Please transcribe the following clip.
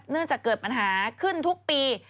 เนื่องจากเกิดปัญหาขึ้นทุกปี